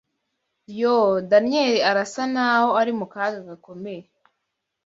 YOO Daniyeli arasa n’aho ari mu kaga gakomeye